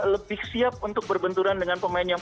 lebih siap untuk berbenturan dengan pemain yang